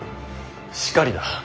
しかりだ。